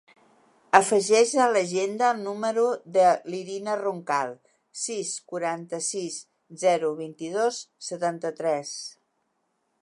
Afegeix a l'agenda el número de l'Irina Roncal: sis, quaranta-sis, zero, vint-i-dos, setanta-tres.